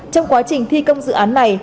trong quá trình thi công dự án này